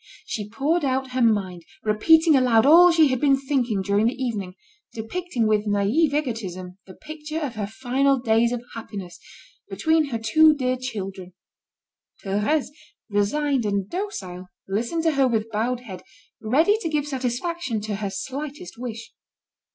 She poured out her mind, repeating aloud all she had been thinking during the evening, depicting with naive egotism, the picture of her final days of happiness, between her two dear children. Thérèse, resigned and docile, listened to her with bowed head, ready to give satisfaction to her slightest wish.